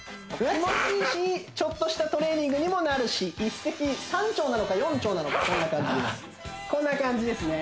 気持ちいいしちょっとしたトレーニングにもなるし一石三鳥なのか四鳥なのかこんな感じですね